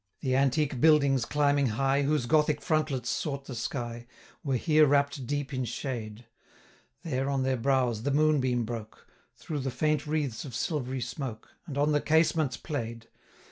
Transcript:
The antique buildings, climbing high, Whose Gothic frontlets sought the sky, 560 Were here wrapt deep in shade; There on their brows the moon beam broke, Through the faint wreaths of silvery smoke, And on the casements play'd.